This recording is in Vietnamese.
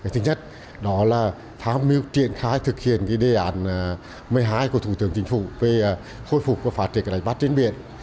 thứ nhất đó là tham mưu triển khai thực hiện đề án một mươi hai của thủ tướng chính phủ về khôi phục và phát triển đánh bắt trên biển